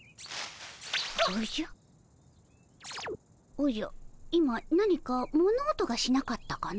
おじゃ今何か物音がしなかったかの？